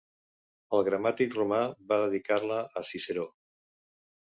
El gramàtic romà va dedicar-la a Ciceró.